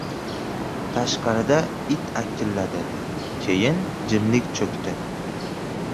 Tashqarida it akilladi. Keyin jimlik cho‘kdi.